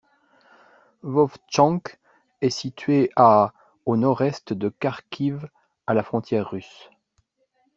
Vovtchansk est située à au nord-est de Kharkiv, à la frontière russe.